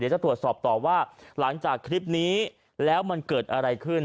จะตรวจสอบต่อว่าหลังจากคลิปนี้แล้วมันเกิดอะไรขึ้น